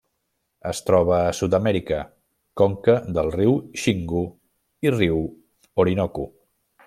Es troba a Sud-amèrica: conca del riu Xingu i riu Orinoco.